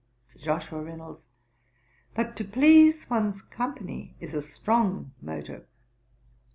SIR JOSHUA REYNOLDS. 'But to please one's company is a strong motive.'